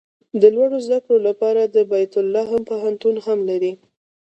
د لوړو زده کړو لپاره د بیت لحم پوهنتون هم لري.